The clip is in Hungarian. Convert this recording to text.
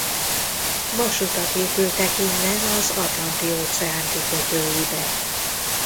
Vasutak épültek innen az Atlanti-óceán kikötőibe.